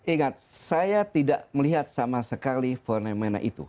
ingat saya tidak melihat sama sekali fenomena itu